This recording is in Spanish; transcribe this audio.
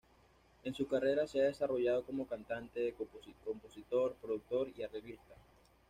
En su carrera se ha desarrollado como cantante, compositor, productor y arreglista.